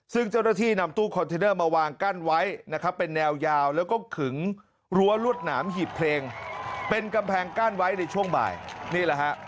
ซึ่งเจ้ารถที่นำตู้คอนเทนเนอร์มาวางกั้นไว้